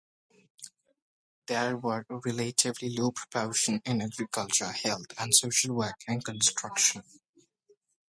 There were a relatively low proportion in agriculture, health and social work, and construction.